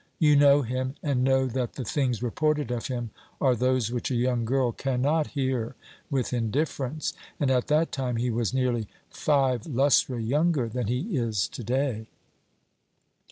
You know him, and know that the things reported of him are those which a young girl cannot hear with indifference, and at that time he was nearly five lustra younger than he is to day.